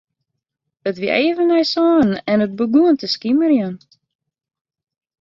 It wie even nei sânen en it begûn te skimerjen.